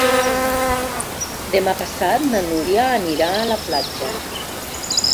Demà passat na Núria anirà a la platja.